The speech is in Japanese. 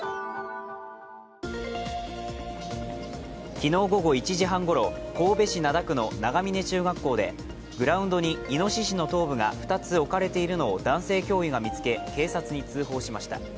昨日午後１時半ごろ神戸市灘区の長峰中学校でグラウンドにいのししの頭部が２つ置かれているのを男性教諭が見つけ警察に通報しました。